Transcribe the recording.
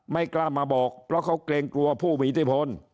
ไม่กล้ามาบอกเพราะเขาเกรงกลัวผู้มีอิทธิพล